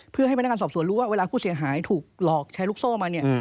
เพื่อให้พนักงานสอบสวนรู้ว่าเวลาผู้เสียหายถูกหลอกใช้ลูกโซ่มาเนี่ย